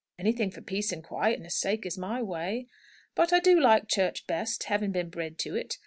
Anything for peace and quietness' sake is my way. But I do like church best, having been bred to it.